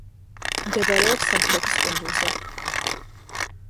მდებარეობს სამხრეთის კუნძულზე.